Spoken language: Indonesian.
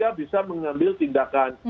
itu dojk bisa mengambil tindakan